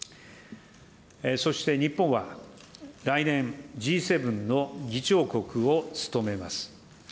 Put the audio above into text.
そして日本は、来年、Ｇ７の議長国を務めます。